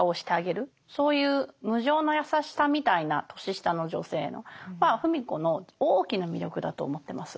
そういう無上の優しさみたいな年下の女性へのは芙美子の大きな魅力だと思ってます。